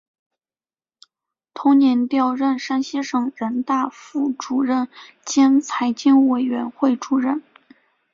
同年调任山西省人大副主任兼财经委员会主任。